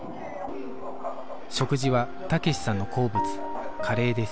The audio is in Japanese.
食事は武志さんの好物カレーです